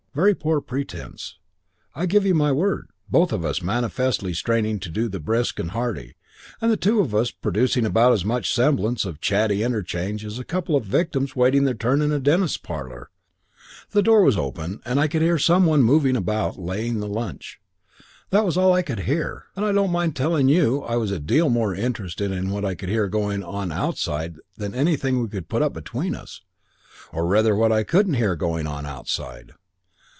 Very poor pretence, I give you my word. Both of us manifestly straining to do the brisk and hearty, and the two of us producing about as much semblance of chatty interchange as a couple of victims waiting their turn in a dentist's parlour. The door was open and I could hear some one moving about laying the lunch. That was all I could hear (bar Sabre's spasmodic jerks of speech) and I don't mind telling you I was a deal more interested in what I could hear going on outside than in anything we could put up between us. Or rather in what I couldn't hear going on outside.